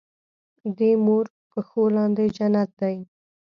دې مور پښو لاندې جنت دی